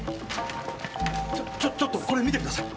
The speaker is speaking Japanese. ちょっちょっとこれ見てください。